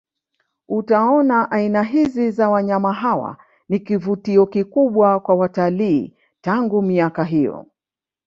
Utaona aina hizi za wanyama hawa ni kivutio kikubwa kwa watalii tangu miaka hiyo